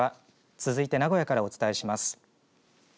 続いて名古屋からお伝えします。